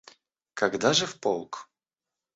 Когда же в полк?